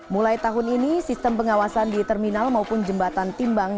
mulai tahun ini sistem pengawasan di terminal maupun jembatan timbang